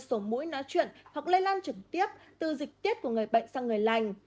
sổ mũi nói chuyện hoặc lây lan trực tiếp từ dịch tiết của người bệnh sang người lành